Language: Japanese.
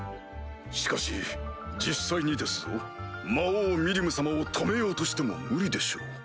しかし実際にですぞ魔王ミリム様を止めようとしても無理でしょう？